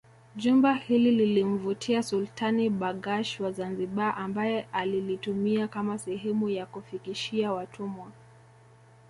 Jumba hili lilimvutia Sultani Barghash wa Zanzibar ambaye alilitumia kama sehemu ya kufikishia watumwa